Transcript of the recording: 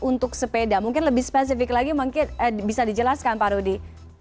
untuk sepeda mungkin lebih spesifik lagi mungkin bisa dijelaskan pak rudy